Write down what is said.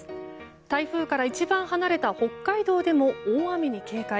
台風から一番離れた北海道でも大雨に警戒。